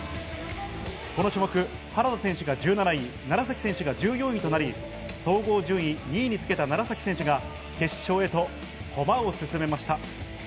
この種目、原田選手が１７位、楢崎選手が１４位となり、総合上位２位につけた楢崎選手が決勝へと駒を進めました。